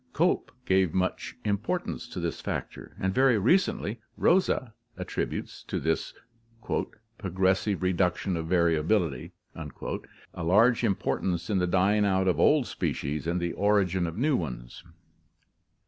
Cope gave much importance to this factor, and very recently Rosa ... attributes to this 'progressive reduction of variability ' a large im portance in the dying out of old species and the origin of new ones.